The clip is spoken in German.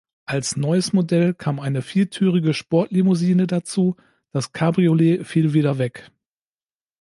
Als neues Modell kam eine viertürige Sportlimousine dazu, das Cabriolet fiel wieder weg.